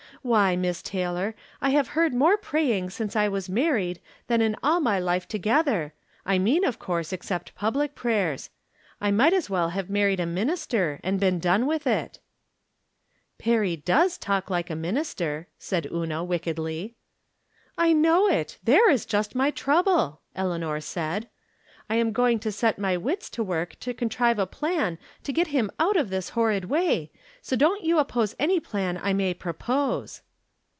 Why, Miss Taylor, I have heard more praj'ing since I was married than in all my life together — I mean, of course, except public prayers. I might as well have married a minister, and been done with it !"" Perry does talk like a minister," said Una, wickedly. " I know it ! there is just my trouble !" Elea nor said. " I am going to set my jyits to work to contrive a plan to get Mm out of this horrid way, so don't you oppose any plan I may pro pose."